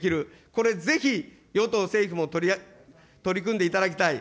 これ、ぜひ、与党・政府も取り組んでいただきたい。